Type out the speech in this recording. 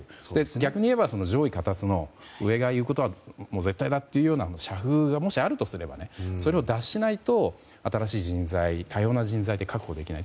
逆に言えば、上意下達の上が言うことは絶対だ！という社風がもしあるとすればそれを脱しないと新しい人材多様な人材って確保できない。